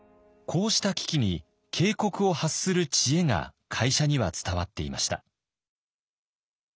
こうした危機に警告を発する知恵が会社には伝わっていました。